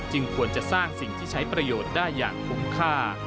ควรจะสร้างสิ่งที่ใช้ประโยชน์ได้อย่างคุ้มค่า